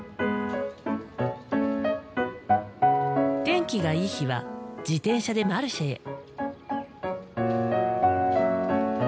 天気がいい日は自転車でマルシェへ。